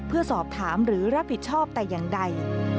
เพื่อสอบถามหรือรับผิดชอบแต่อย่างใด